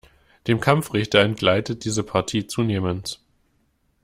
Dem Kampfrichter entgleitet diese Partie zunehmends.